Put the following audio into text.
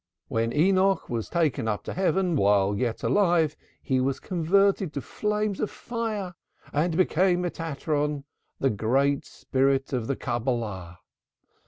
When Enoch was taken up to heaven while yet alive, he was converted to flames of fire and became Metatoron, the great spirit of the Cabalah.